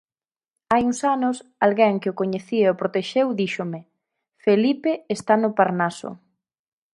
Hai uns anos, alguén que o coñecía e o protexeu díxome, "Felipe está no Parnaso".